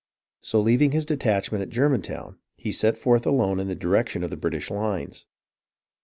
So, leaving his detachment at German town, he set forth alone in the direction of the British lines.